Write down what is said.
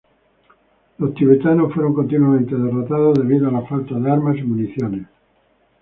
Los tibetanos fueron continuamente derrotados debido a la falta de armas y municiones.